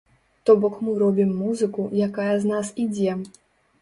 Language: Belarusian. То бок мы робім музыку, якая з нас ідзе.